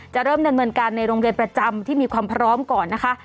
จะเริ่มดำเนินการในโรงเรียนประจำที่มีความพร้อมก่อนนะคะ